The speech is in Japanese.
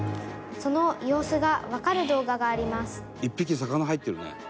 「その様子がわかる動画があります」